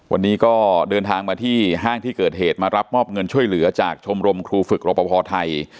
วันนี้ก็เดินทางมาที่ห้างที่เกิดเหตุมารับมอบเงินช่วยเหลือจากชมรมครูฝึกรปภไทย